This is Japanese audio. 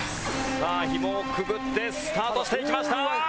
さあひもをくぐってスタートしていきました。